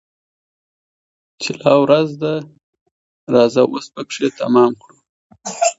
چي لا ورځ ده راځه وس پكښي تمام كړو